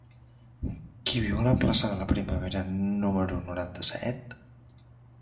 Qui viu a la plaça de la Primavera número noranta-set?